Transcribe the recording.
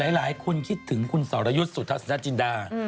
หลายคุณคิดถึงคุณสอริยุทธสนาจินดา